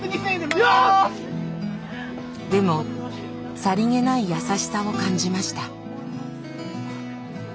でもさりげない優しさを感じました。